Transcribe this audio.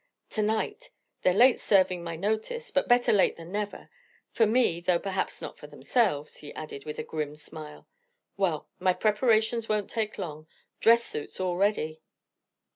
"To night! they're late serving my notice; but better late than never; for me, though perhaps not for themselves," he added with a grim smile. "Well, my preparations won't take long: dress suit's all ready."